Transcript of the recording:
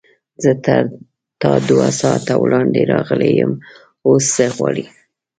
زه تر تا دوه ساعته وړاندې راغلی یم، اوس څه غواړې؟